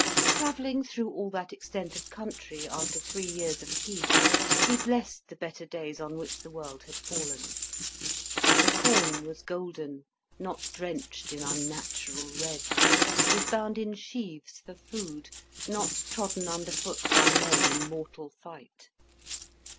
Travelling through all that extent of country after three years of Peace, he blessed the better days on which the world had fallen. The corn was golden, not drenched in unnatural red; was bound in sheaves for food, not trodden underfoot by men in mortal fight.